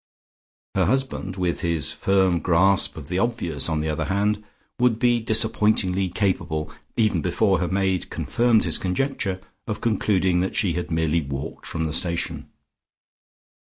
Her husband with his firm grasp of the obvious, on the other hand, would be disappointingly capable even before her maid confirmed his conjecture, of concluding that she had merely walked from the station.